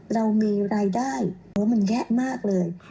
เรามีรายได้มันแยะมากเลย